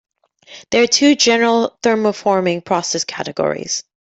There are two general thermoforming process categories.